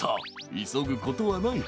いそぐことはない。